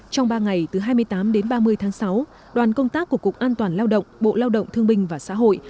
trong ba ngày từ hai mươi tám đến ba mươi tháng sáu đoàn công tác của cục an toàn lao động bộ lao động thương binh và xã hội